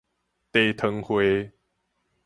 茶湯會